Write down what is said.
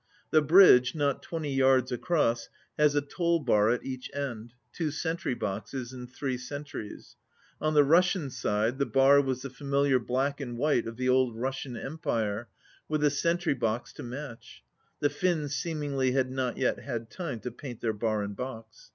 The bridge, not twenty yards across, has a toll bar at each end, two sentry boxes and two sentries. On the Rus sian side the bar was the familiar black and white of the old Russian Empire, with a sentry box to match. The Finns seemingly had not yet had time to paint their bar and box.